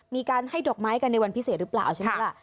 มีการให้ดอกไม้กันในวันพิเศษหรือเปล่าใช่ไหมล่ะ